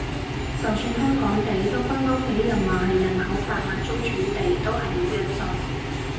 就算香港地都不嬲畀人話係人口販賣中轉地，都係冇人信